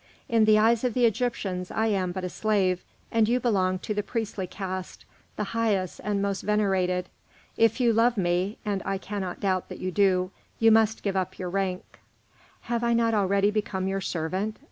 In the eyes of the Egyptians I am but a slave, and you belong to the priestly caste, the highest and most venerated. If you love me and I cannot doubt that you do you must give up your rank." "Have I not already become your servant?